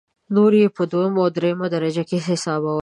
نور یې په دویمه او درېمه درجه کې حسابول.